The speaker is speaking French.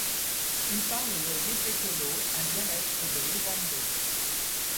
Ils parlent le yebekolo, un dialecte de l'ewondo.